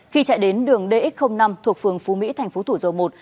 khi chạy đến đường dx năm thuộc phường phú mỹ thành phố thủ dầu một